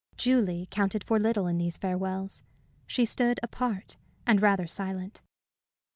Julie counted for little in these farewells. She stood apart and rather silent.